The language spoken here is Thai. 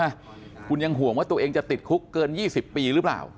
ได้อีกเท่าไหร่ใช่ไหมคุณยังห่วงว่าตัวเองจะติดคุกเกิน๒๐ปีหรือเปล่า